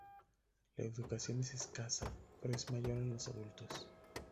La educación es escasa, pero es mayor en los adultos.